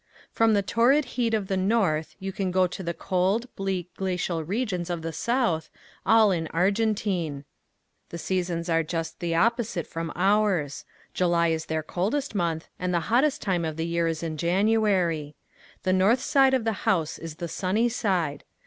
From the torrid heat of the north you can go to the cold, bleak glacial regions of the south, all in Argentine. The seasons are just the opposite from ours. July is their coldest month and the hottest time in the year is in January. The north side of the house is the sunny side.